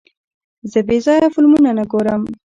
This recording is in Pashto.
زه بېځایه فلمونه نه ګورم.